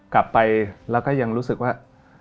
กลับไปแล้วก็ยังรู้สึกว่า